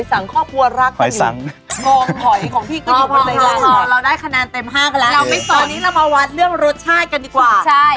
อ๋อเราได้คะแนนเต็ม๕กันละตอนนี้เรามาวัดเรื่องรสชาติกันดีกว่า